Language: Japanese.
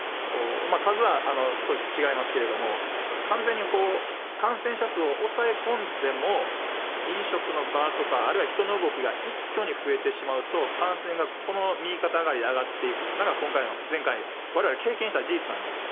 数は少し違いますけれども、完全に感染者数を抑え込んでも、飲食の場とか、あるいは人の動きが一挙に増えてしまうと、感染がこの右肩上がりで上がっていくのが、前回われわれが経験した事実なんです。